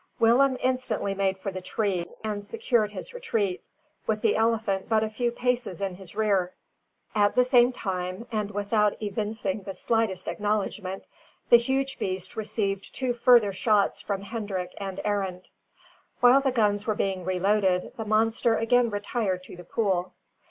Willem instantly made for the tree, and secured his retreat, with the elephant but a few paces in his rear. At the same time and without evincing the slightest acknowledgment the huge beast received two further shots from Hendrik and Arend. While the guns were being reloaded, the monster again retired to the pool.